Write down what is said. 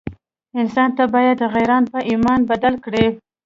انسان باید غیران په ایمان بدل کړي.